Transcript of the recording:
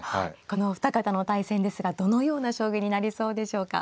このお二方の対戦ですがどのような将棋になりそうでしょうか。